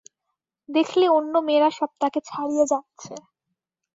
দেখলে অন্য মেয়েরা সব তাকে ছাড়িয়ে যাচ্ছে।